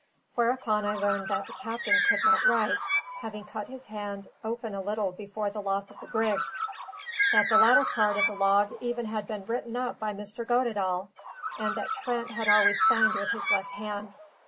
Whereupon I learned that the captain could not write, having cut his hand open a little before the loss of the brig; that the latter part of the log even had been written up by Mr. Goddedaal; and that Trent had always signed with his left hand.